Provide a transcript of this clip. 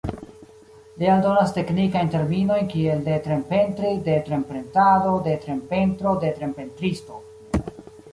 Li aldonas teknikajn terminojn kiel detrem-pentri, detrem-pentrado, detrem-pentro, detrem-pentristo.